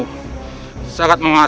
sangat menguasai ilmu kondorakan